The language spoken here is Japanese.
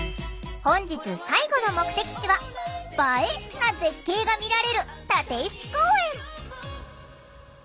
本日最後の目的地は「映え」な絶景が見られる立石公園！